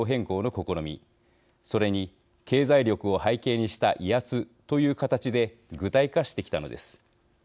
それに経済力を背景にした威圧という形で具体化してきたのです。